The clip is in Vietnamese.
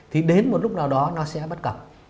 thì đến một lúc nào đó nó sẽ bất cập